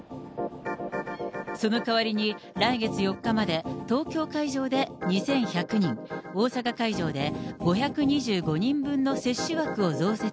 そのかわりに来月４日まで、東京会場で２１００人、大阪会場で５２５人分の接種枠を増設。